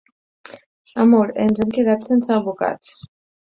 Amor, ens hem quedat sense alvocats!